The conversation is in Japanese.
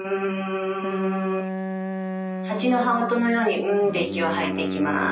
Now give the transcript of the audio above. ハチの羽音のように「ん」で息を吐いていきます。